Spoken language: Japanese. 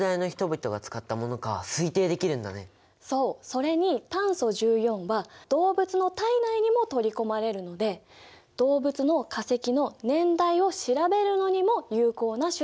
それに炭素１４は動物の体内にも取り込まれるので動物の化石の年代を調べるのにも有効な手段ってこと。